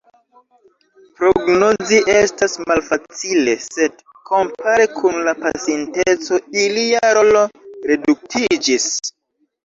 Prognozi estas malfacile, sed kompare kun la pasinteco ilia rolo reduktiĝis.